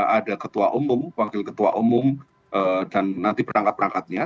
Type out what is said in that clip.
ada ketua umum wakil ketua umum dan nanti perangkat perangkatnya